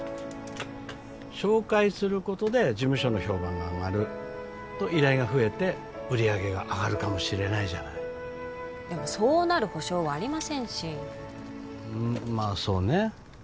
紹介することで事務所の評判が上がると依頼が増えて売り上げが上がるかもしれないじゃないでもそうなる保証はありませんしうんまあそうね